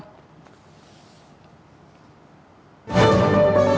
thông tin của bộ y tế